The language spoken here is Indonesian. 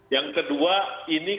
yang kedua ini